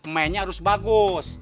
mainnya harus bagus